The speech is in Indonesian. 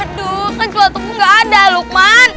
aduh kan gelotokku nggak ada lukman